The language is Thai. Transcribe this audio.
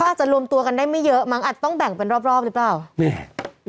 เขาจะรวมตัวกันได้ไม่เยอะมันอาจต้องแบ่งไปรอบหรือเปล่า